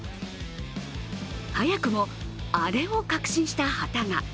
早くもアレを確信した旗が。